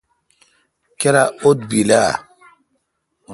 کیرا اوتھ بیل اؘ۔